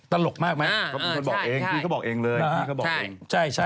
ตลกมากไหมพี่เขาบอกเองเลยพี่เขาบอกเองใช่ใช่